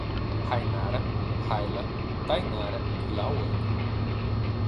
Rainara, Raila, Thaynara e Lauane